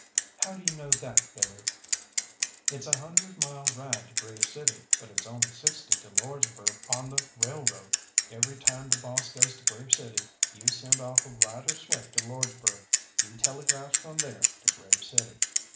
"How do you know that, Billy?" "It's a hundred mile ride to Grave City, but it's only sixty to Lordsburgh on the railroad. Every time the boss goes to Grave City you send off a rider swift to Lordsburgh. He telegraphs from there to Grave City."